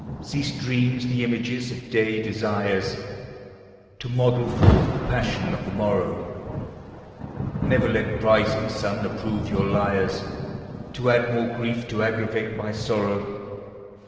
Cease dreams, the images of day desires, To model forth the passion of the morrow; Never let rising sun approve you liars, To add more grief to aggravate my sorrow.